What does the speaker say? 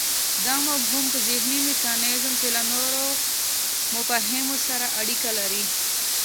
دا مفهوم په ذهني میکانیزم کې له نورو مفاهیمو سره اړیکی لري